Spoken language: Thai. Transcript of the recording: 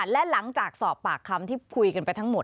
และหลังจากสอบปากคำที่คุยกันไปทั้งหมด